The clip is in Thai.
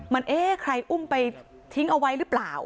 มันเอ๊ะใครอุ้มไปทิ้งเอาไว้หรือเปล่า